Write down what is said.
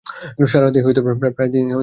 সারারাতই প্রায় তিনি বাড়িতেই থাকেন না।